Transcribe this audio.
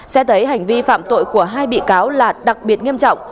xét thấy hành vi phạm tội của hai bị cáo là đặc biệt nghiêm trọng